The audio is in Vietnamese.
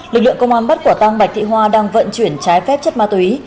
lực lượng công an bắt quả tang bạch thị hoa đang vận chuyển trái phép chất ma túy